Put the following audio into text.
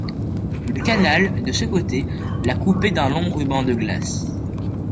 Le canal, de ce côté, la coupait d’un long ruban de glace.